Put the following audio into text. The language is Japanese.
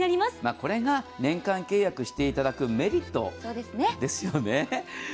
これが年間契約していただくメリットですよね。